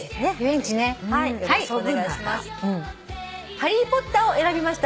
「ハリー・ポッター」を選びました